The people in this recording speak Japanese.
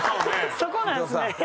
そこなんですね。